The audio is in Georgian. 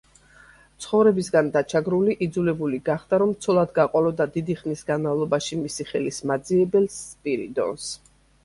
ცხოვრებისაგან დაჩაგრული, იძულებული გახდა, რომ ცოლად გაყოლოდა დიდი ხნის განმავლობაში მისი ხელის მაძიებელს—სპირიდონს.